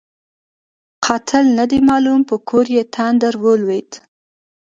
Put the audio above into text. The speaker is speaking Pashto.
قاتل نه دی معلوم؛ په کور یې تندر ولوېد.